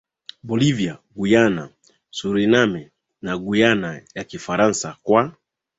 Bolivia Guyana Suriname na Guyana ya Kifaransa kwa